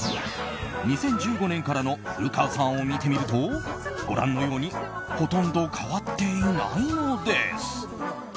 ２０１５年からの古川さんを見てみるとご覧のようにほとんど変わっていないのです。